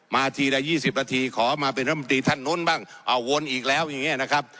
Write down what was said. ทีละ๒๐นาทีขอมาเป็นรัฐมนตรีท่านนู้นบ้างเอาวนอีกแล้วอย่างนี้นะครับ